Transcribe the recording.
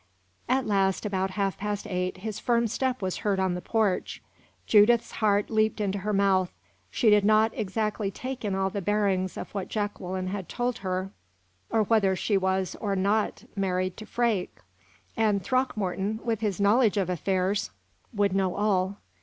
At last, about half past eight, his firm step was heard on the porch. Judith's heart leaped into her mouth; she did not exactly take in all the bearings of what Jacqueline had told her, or whether she was or was not married to Freke; and Throckmorton, with his knowledge of affairs, would know all.